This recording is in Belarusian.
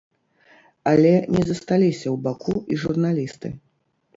Але не засталіся ў баку і журналісты.